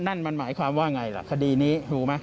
นั่นมันหมายความว่าไงล่ะคดีนี้ถูกไหม